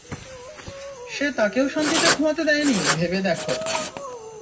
সে তাকেও শান্তিতে ঘুমাতে দেয়নি, ভেবে দেখ!